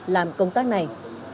làm công tác này